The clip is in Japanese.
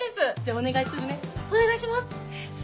お願いします！